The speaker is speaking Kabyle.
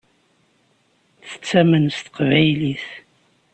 Tettamen s teqbaylit.